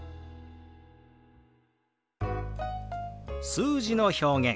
数字の表現